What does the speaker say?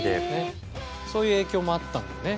そういう影響もあったんだよね。